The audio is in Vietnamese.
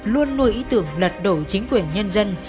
luôn nuôi ý tưởng lật đổ chính quyền nhân dân